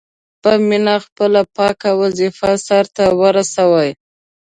په مینه خپله پاکه وظیفه سرته ورسوي.